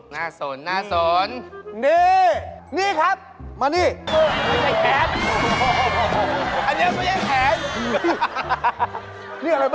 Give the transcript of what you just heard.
หน้าสนนี่นี่ครับมานี่โอ้โฮ